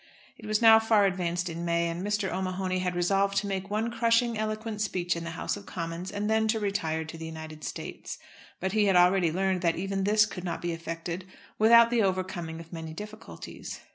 It was now far advanced in May, and Mr. O'Mahony had resolved to make one crushing eloquent speech in the House of Commons and then to retire to the United States. But he had already learned that even this could not be effected without the overcoming of many difficulties.